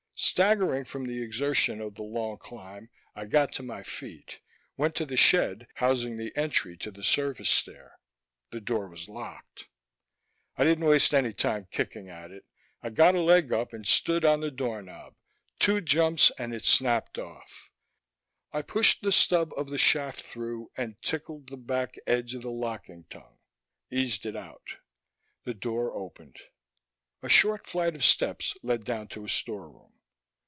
Staggering from the exertion of the long climb I got to my feet, went to the shed housing the entry to the service stair. The door was locked. I didn't waste any time kicking at it; I got a leg up and stood on the doorknob. Two jumps and it snapped off. I pushed the stub of the shaft through and tickled the back edge of the locking tongue, eased it out. The door opened. A short flight of steps led down to a storeroom.